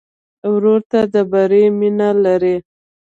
ورور ته د بری مینه لرې.